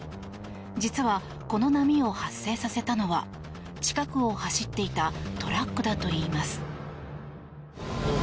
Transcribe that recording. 実は、この波を発生させたのは近くを走っていたトラックだといいます。